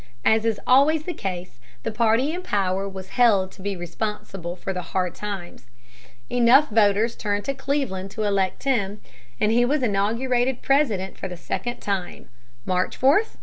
As is always the case, the party in power was held to be responsible for the hard times. Enough voters turned to Cleveland to elect him, and he was inaugurated President for the second time (March 4, 1893).